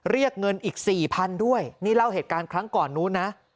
เรียกเงินอีกสี่พันด้วยนี่เล่าเหตุการณ์ครั้งก่อนนู้นนะ